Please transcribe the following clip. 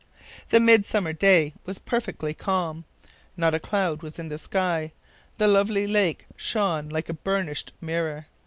The midsummer day was perfectly calm. Not a cloud was in the sky. The lovely lake shone like a burnished mirror.